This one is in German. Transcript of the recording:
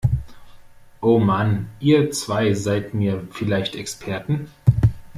Oh Mann, ihr zwei seid mir vielleicht Experten!